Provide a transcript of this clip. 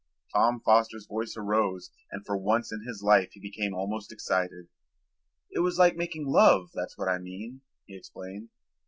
Tom Foster's voice arose, and for once in his life he became almost excited. "It was like making love, that's what I mean," he explained.